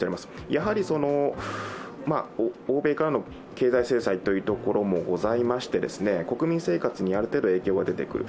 やはり欧米からの経済制裁というところもございまして、国民生活に、ある程度影響が出てくる。